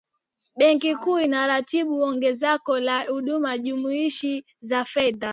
benki kuu inaratibu ongezeko la huduma jumuishi za fedha